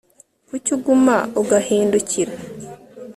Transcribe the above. Kuki uguma ugahindukira